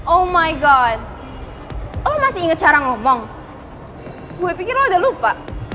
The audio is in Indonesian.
oh my god lo masih inget cara ngomong gua pikir lo udah lupa